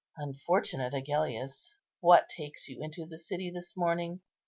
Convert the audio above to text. Unfortunate Agellius! what takes you into the city this morning?